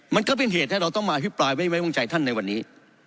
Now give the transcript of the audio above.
มันก็เป็นเหตุให้เราต้องมาอภิปรายไม่ไว้วางใจท่านในวันนี้